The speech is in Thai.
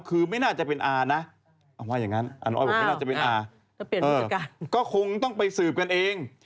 คือไม่น่าจะเป็นอาร์นะก็คงต้องไปสืบกันเอง